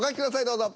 どうぞ。